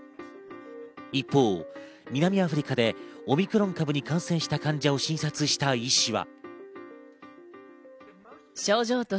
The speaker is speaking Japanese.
一方、南アフリカでオミクロン株に感染した患者を診察した医師は。